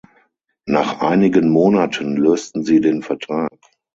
Nach einigen Monaten lösten sie den Vertrag.